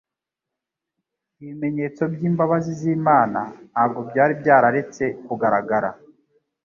ibimenyetso by'imbabazi z'Imana ntabwo byari byararetse kugaragara.